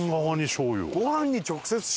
醤油。